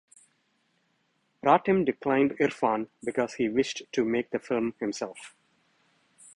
Pratim declined Irrfan because he wished to make the film himself.